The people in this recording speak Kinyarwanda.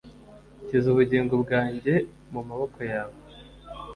nshyize ubugingo bwanjye mu maboko yawe